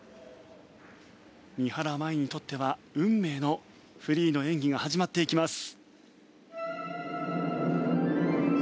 三原舞依にとっては運命のフリーの演技が始まっていきます。